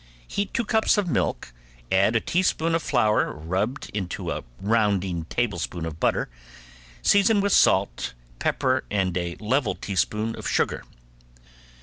Heat two cups of milk, add a teaspoon of flour rubbed into a rounding tablespoon of butter, season with salt, pepper, and a level teaspoon of sugar.